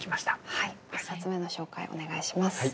はい１冊目の紹介お願いします。